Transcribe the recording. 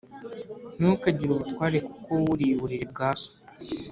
Ntukagire ubutware kuko wuriye uburiri bwa so